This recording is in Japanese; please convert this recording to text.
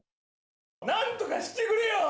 なんとかしてくれよ！